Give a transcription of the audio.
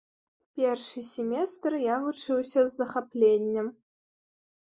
Першы семестр я вучыўся з захапленнем.